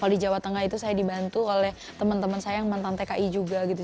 kalau di jawa tengah itu saya dibantu oleh teman teman saya yang mantan tki juga gitu